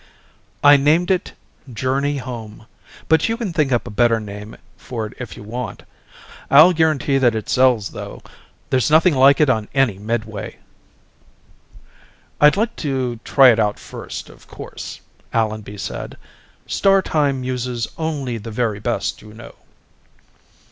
"I named it 'Journey Home' but you can think up a better name for it if you want. I'll guarantee that it sells, though. There's nothing like it on any midway." "I'd like to try it out first, of course," Allenby said. "Star Time uses only the very best, you know."